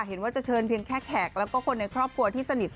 เห็นว่าจะเชิญเพียงแค่แขกแล้วก็คนในครอบครัวที่สนิท